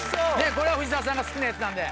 これは藤澤さんが好きなやつなんで。